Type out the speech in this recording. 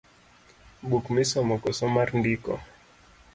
Buk misomo koso mar ndiko?